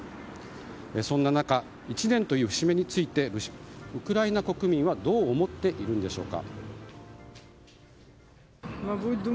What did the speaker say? そんな中１年という節目についてウクライナ国民はどう思っているのでしょうか。